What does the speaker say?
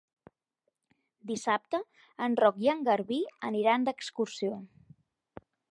Dissabte en Roc i en Garbí aniran d'excursió.